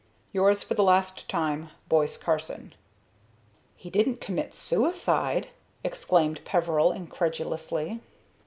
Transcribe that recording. "Yours, for the last time, "BOISE CARSON." "He didn't commit suicide?" exclaimed Peveril, incredulously.